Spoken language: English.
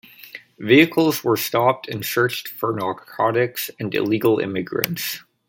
Vehicles were stopped and searched for narcotics and illegal immigrants.